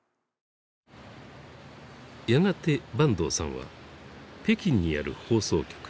やがて坂東さんは北京にある放送局